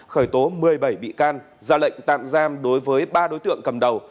khởi tố một mươi bảy bị can ra lệnh tạm giam đối với ba đối tượng cầm đầu